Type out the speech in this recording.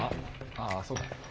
ああそうだ。